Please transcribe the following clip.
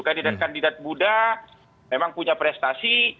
kandidat kandidat muda memang punya prestasi